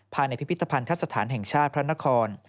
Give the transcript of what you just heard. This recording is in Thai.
ภายในพิพิธภัณฑสถานแห่งชาติพระนคร